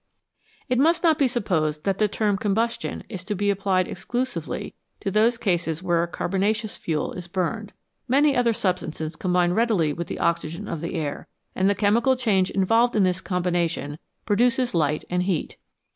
It must not be supposed that the term combustion is to be applied exclusively to those cases where a carbon aceous fuel is burned. Many other substances combine readily with the oxygen of the air, and the chemical change involved in this combination produces light and heat.